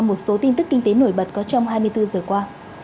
một số tin tức kinh tế nổi bật có trong hai mươi bốn giờ qua